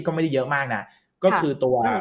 ก็ไม่ได้เยอะมากนะก็คือตัว